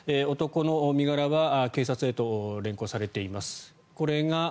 男の身柄は警察へと連行されています。